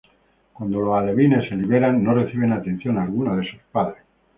Cuando los alevines se liberan no reciben atención alguna de sus padres.